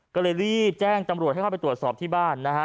ก็เลยรีบแจ้งตำรวจให้เข้าไปตรวจสอบที่บ้านนะฮะ